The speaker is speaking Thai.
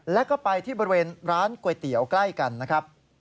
แล้วก็ไปที่บริเวณร้านก๋วยเตี๋ยวใกล้กันนะครับ